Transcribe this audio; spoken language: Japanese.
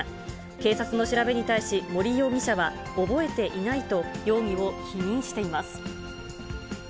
警察の調べに対し、森容疑者は覚えていないと、容疑を否認しています。